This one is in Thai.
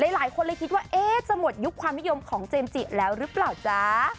หลายคนเลยคิดว่าจะหมดยุคความนิยมของเจมส์จิแล้วหรือเปล่าจ๊ะ